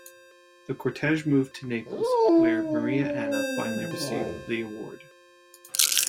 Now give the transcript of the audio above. The cortege moved to Naples, where Maria Anna finally received the award.